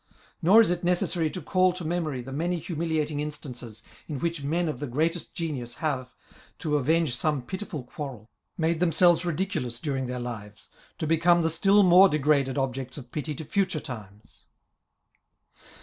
Nor is it necessary to call to memory the many humiliating instances in which men of the great est genius have, to avenge some pitiful quarrel, made themselves ridiculous during their lives, to become the still more degraded objects of pity to future times.